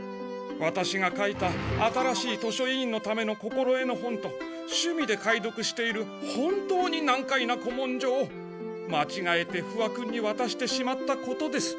ワタシが書いた新しい図書委員のための心得の本と趣味で解読している本当に難解な古文書をまちがえて不破君にわたしてしまったことです。